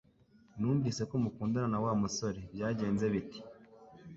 Numvise ko mukundana na Wa musore Byagenze bite?